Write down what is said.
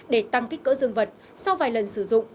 để tăng kích cỡ dương vật sau vài lần sử dụng